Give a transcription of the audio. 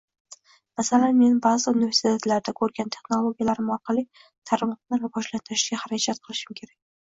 Masalan, men baʼzi universitetlarda koʻrgan texnologiyalarim orqali tarmoqni rivojlantirishga harakat qilish kerak.